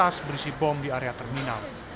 pembangunan tersebut menyebabkan bom di area terminal